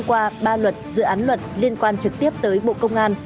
qua ba luật dự án luật liên quan trực tiếp tới bộ công an